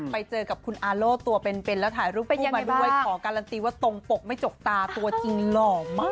พี่ขอการันตีว่าตรงปกไม่จกตาตัวจริงหล่อมาก